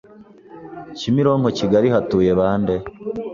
Kimironko Kigali hatuye bande